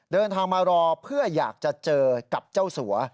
เดินทางมารอเพื่ออยากจะเจอกับเจ้าสัว